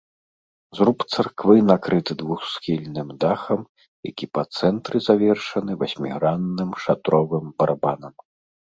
Зруб царквы накрыты двухсхільным дахам, які па цэнтры завершаны васьмігранным шатровым барабанам.